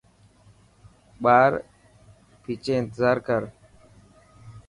ٻار ڀيچي انتظار ڪر.